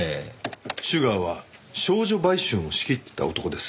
シュガーは少女売春を仕切っていた男です。